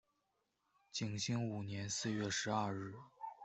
景兴五年四月十二日。